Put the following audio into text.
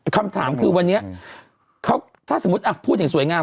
คำถามคือวันนี้ถ้าสมมุติพูดอย่างสวยงาม